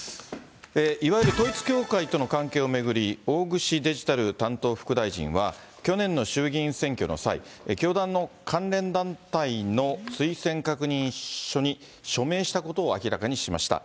いわゆる統一教会との関係を巡り、大串デジタル担当副大臣は、去年の衆議院選挙の際、教団の関連団体の推薦確認書に署名したことを明らかにしました。